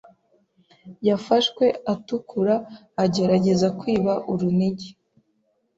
Yafashwe atukura agerageza kwiba urunigi.